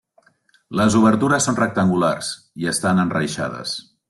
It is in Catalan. Les obertures són rectangulars i estan enreixades.